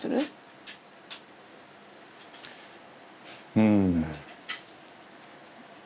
うん。